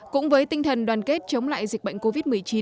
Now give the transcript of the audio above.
cũng với tinh thần đoàn kết chống lại dịch bệnh covid một mươi chín